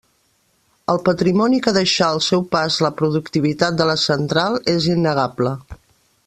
El patrimoni que deixà al seu pas la productivitat de la central és innegable.